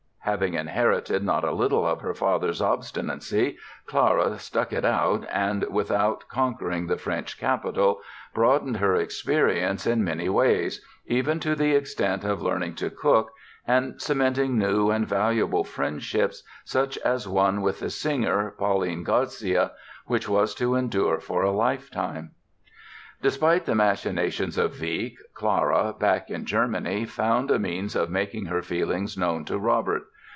Having inherited not a little of her father's obstinacy Clara stuck it out and, without conquering the French capital, broadened her experience in many ways, even to the extent of learning to cook, and cementing new and valuable friendships, such as one with the singer, Pauline Garcia, which was to endure for a lifetime. Despite the machinations of Wieck Clara, back in Germany, found a means of making her feelings known to Robert.